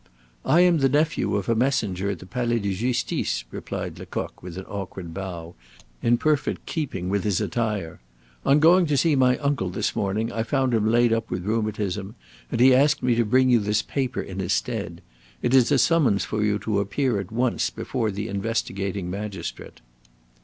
"I am the nephew of a messenger at the Palais de Justice," replied Lecoq with an awkward bow, in perfect keeping with his attire. "On going to see my uncle this morning, I found him laid up with rheumatism; and he asked me to bring you this paper in his stead. It is a summons for you to appear at once before the investigating magistrate."